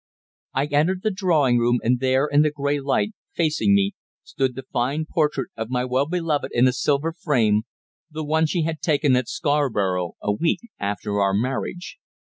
I entered the drawing room, and there, in the grey light, facing me, stood the fine portrait of my well beloved in a silver frame, the one she had had taken at Scarborough a week after our marriage.